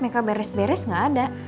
meka beres beres gak ada